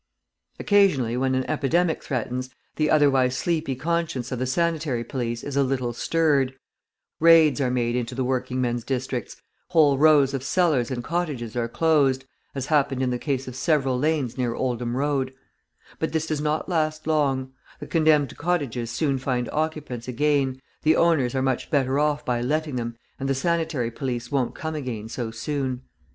Occasionally when an epidemic threatens, the otherwise sleepy conscience of the sanitary police is a little stirred, raids are made into the working men's districts, whole rows of cellars and cottages are closed, as happened in the case of several lanes near Oldham Road; but this does not last long: the condemned cottages soon find occupants again, the owners are much better off by letting them, and the sanitary police won't come again so soon.